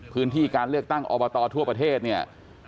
พื้นที่การเลือกตั้งอบตทั่วประเทศเนี่ย